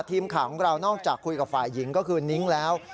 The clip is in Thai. ทีมข่าวของเรานอกจากคุยกับฝ่ายหญิงก็คือนิ้งแล้ว